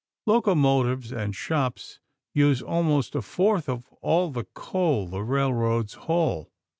Locomotives and shops use almost a fourth of all the coal the railroads haul.